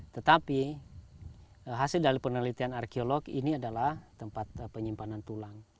tetapi hasil dari penelitian arkeolog ini adalah tempat penyimpanan tulang